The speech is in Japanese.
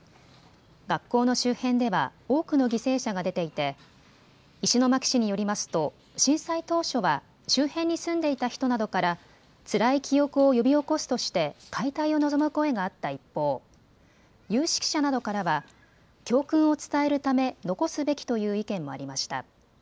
学校の周辺では多くの犠牲者が出ていて石巻市によりますと震災当初は周辺に住んでいた人などからつらい記憶を呼び起こすとして解体を望む声があった一方、有識者などからは教訓を伝えるため残すべきという意見もありました。